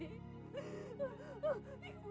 ampuni dosa anakku